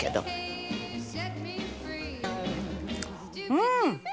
うん！